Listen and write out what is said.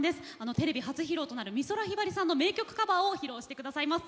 テレビ初披露となる美空ひばりさんの名曲カバーを披露してくださいます。